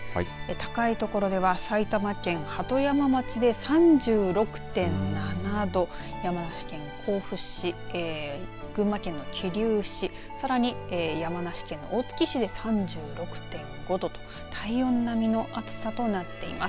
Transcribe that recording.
高いところでは埼玉県鳩山町で３６．７度山梨県甲府市群馬県の桐生市さらに山梨県の大月市で３６．５度と体温並みの暑さとなっています。